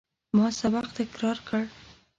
ما سبق تکرار کړ.